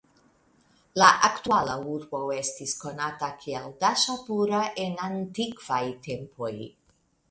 La aktuala urbo estis konata kiel Daŝapura en antikvaj tempoj.